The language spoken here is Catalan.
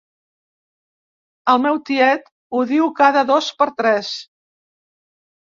El meu tiet ho diu cada dos per tres.